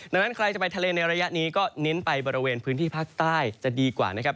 ดังนั้นใครจะไปทะเลในระยะนี้ก็เน้นไปบริเวณพื้นที่ภาคใต้จะดีกว่านะครับ